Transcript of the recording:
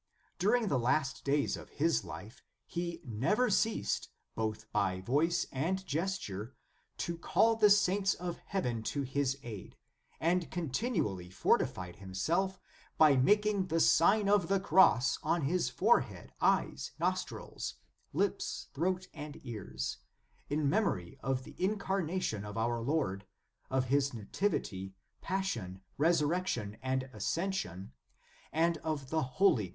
During the last days of his life, he never ceased, both by voice and gesture, to call the saints of heaven to his aid, and con tinually fortified himself by making the Sign of the Cross on his forehead, eyes, nostrils, lips, throat, and ears, in memory of the Incar nation of our Lord, of His Nativity, Passion, Resurrection and Ascension, and of the Holy * Thegan.